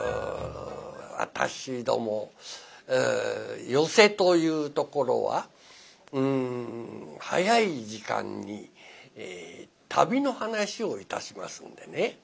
私ども寄席というところは早い時間に旅の噺をいたしますんでね。